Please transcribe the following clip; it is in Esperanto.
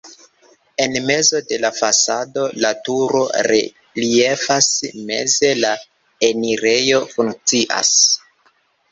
En mezo de la fasado la turo reliefas, meze la enirejo funkcias.